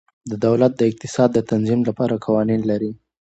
دولت د اقتصاد د تنظیم لپاره قوانین لري.